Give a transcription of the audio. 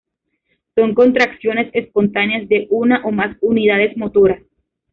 Son contracciones espontáneas de una o más unidades motoras.